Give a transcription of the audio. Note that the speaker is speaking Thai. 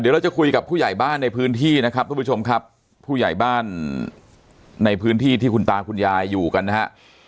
เดี๋ยวเราจะคุยกับผู้ใหญ่บ้านในพื้นที่นะครับทุกผู้ชมครับผู้ใหญ่บ้านในพื้นที่ที่คุณตาคุณยายอยู่กันนะฮะ